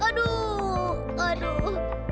aduh aduh aduh